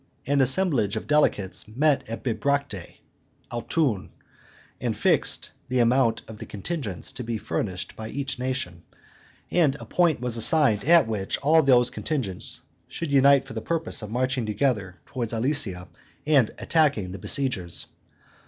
An assemblage of delegates met at Bibracte (Autun), and fixed the amount of the contingent to be furnished by each nation, and a point was assigned at which all those contingents should unite for the purpose of marching together towards Alesia, and attacking the besiegers.